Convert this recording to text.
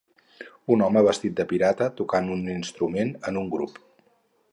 Un home vestit de pirata tocant un instrument en un grup.